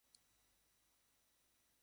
ওকে, নামাও।